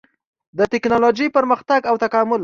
د ټېکنالوجۍ پرمختګ او تکامل